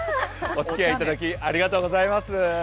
お付き合いいただきありがとうございます。